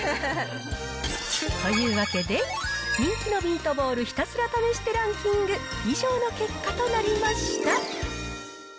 というわけで、人気のミートボールひたすら試してランキング、以上の結果となりました。